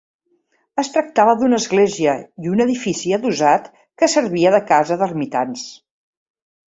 Es tractava d'una església i un edifici adossat que servia de casa d'ermitans.